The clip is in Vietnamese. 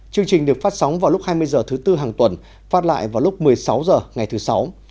chương trình được phát sóng vào lúc hai mươi h thứ tư hàng tuần phát lại vào lúc một mươi sáu h ngày thứ sáu